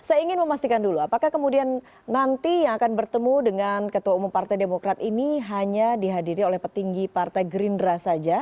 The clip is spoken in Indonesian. apakah kemudian nanti yang akan bertemu dengan ketua umum partai demokrat ini hanya dihadiri oleh petinggi partai gerindra saja